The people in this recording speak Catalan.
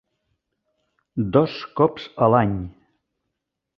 Dos cops a l'any.